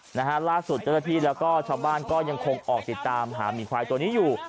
สำหรับเจ้าตะที่ช้าบ้านก็ยังคงออกติดตามหามีควายตัวนี้อยู่